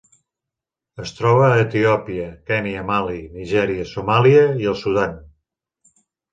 Es troba a Etiòpia, Kenya, Mali, Nigèria, Somàlia i el Sudan.